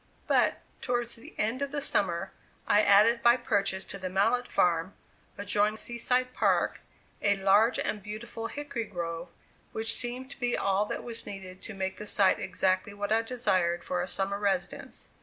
But, towards the end of the summer, I added by purchase to the Mallett farm, adjoining Sea side Park, a large and beautiful hickory grove, which seemed to be all that was needed to make the site exactly what I desired for a summer residence.